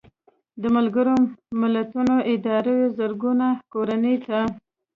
د ملګرو ملتونو ادارو زرګونو کورنیو ته